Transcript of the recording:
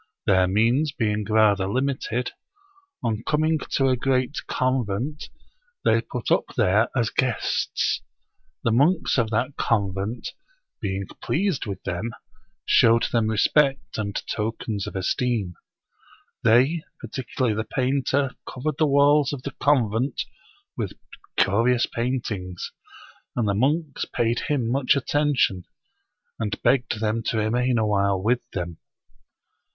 Their means being rather limited, on coming to a great convent, they put up there as guests. The monks of that convent, being pleased with them, showed them respect and tokens of esteem. They, particularly the painter, covered the walls of the convent with curious paint ings ; and the monks paid him much attention, and begged them to remain awhile with them.